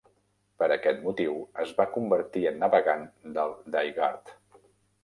Per aquest motiu, es va convertir en navegant del Dai-Guard.